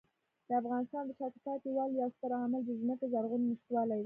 د افغانستان د شاته پاتې والي یو ستر عامل د ځمکې زرغونې نشتوالی دی.